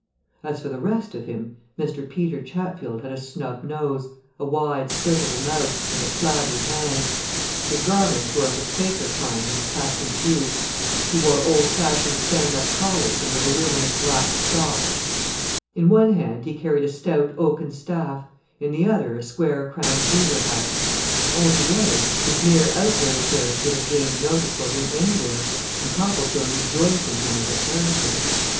As for the rest of him, Mr. Peter Chatfield had a snub nose, a wide slit of a mouth, and a flabby hand; his garments were of a Quaker kind in cut and hue; he wore old fashioned stand up collars and a voluminous black stock; in one hand he carried a stout oaken staff, in the other a square crowned beaver hat; altogether, his mere outward appearance would have gained notice for him anywhere, and Copplestone rejoiced in him as a character.